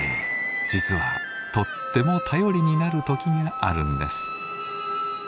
実はとっても頼りになる時があるんです。